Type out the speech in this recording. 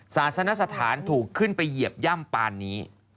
ศาสนสถานถูกขึ้นไปเหยียบย่ำปานนี้